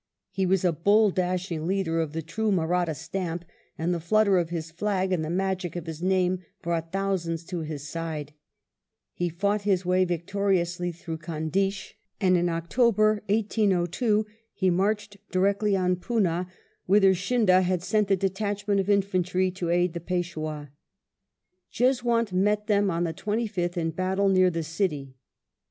He wa« a bold dashing leader of the true Mahratta stamp, and the flutter of his flag and the magic of his name broa^t thousands to his side. He fought his way victorioQihr through Kiindeish; and in October, 1802, he marcM direct on Poona, whither Scindia had sent a detaffafgg of infantry to aid the Peishwah. Jeswunt met tJico m. the 25th in battle near the city.